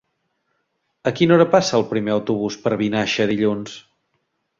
A quina hora passa el primer autobús per Vinaixa dilluns?